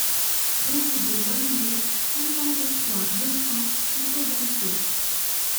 Route de Loigné, cinquante-trois, deux cents Château-Gontier